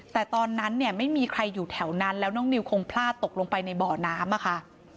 แต่ตอนนั้นเนี่ยไม่มีใครอยู่แถวนั้นแล้วน้องนิวคงพลาดตกลงไปในบ่อน้ำอะค่ะ